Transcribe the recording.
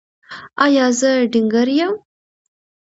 ایا زه ډنګر یم؟